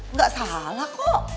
nggak salah kok